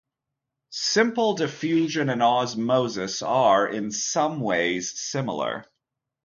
Simple diffusion and osmosis are in some ways similar.